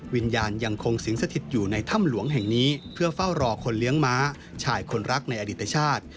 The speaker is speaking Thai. วิญญาณยังคงสิงสถิตอยู่ในถ้ำหลวงแห่งนี้เพื่อเฝ้ารอคนเลี้ยงม้าชายคนรักในอดีตชาติ